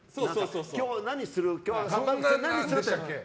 今日何する？って。